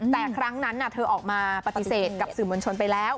แต่ครั้งนั้นเธอออกมาปฏิเสธกับสื่อมวลชนไปแล้ว